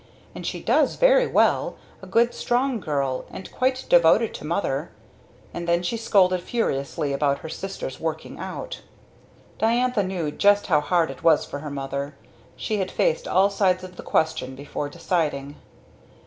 And she does very well a good strong girl, and quite devoted to mother." And then she scolded furiously about her sister's "working out." Diantha knew just how hard it was for her mother. She had faced all sides of the question before deciding.